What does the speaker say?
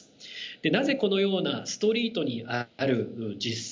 でなぜこのようなストリートにある実践